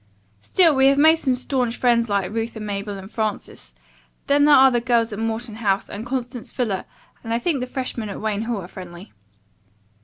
"Still we have made some staunch friends like Ruth and Mabel and Frances. Then there are the girls at Morton House, and Constance Fuller, and I think the freshmen at Wayne Hall are friendly."